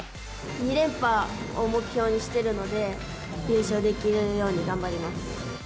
２連覇を目標にしてるので、優勝できるように頑張ります。